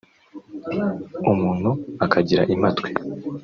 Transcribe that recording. umntu akagira impatwe